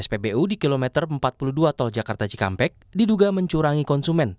spbu di kilometer empat puluh dua tol jakarta cikampek diduga mencurangi konsumen